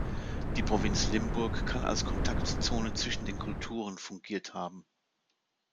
Die Provinz Limburg kann als Kontaktzone zwischen den Kulturen fungiert haben.